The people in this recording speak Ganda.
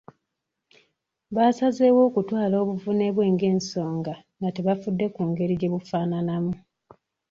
Baasazeewo okutwala obuvune bwe nga nsonga nga tebafudde ku ngeri gye bufaananamu.